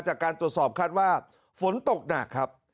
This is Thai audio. จากการตรวจสอบคาดว่าฝนตกหนักครับ